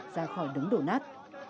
ra khỏi đống đổ nát